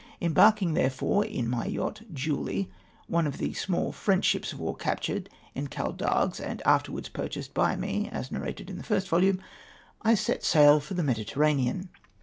Embarking, therefore, in my yacht Julie, one of the small French ships of war captured at Caldagues and afterwards pm chased by me, as narrated in the first Tolume, I set sail for the Mediterranean.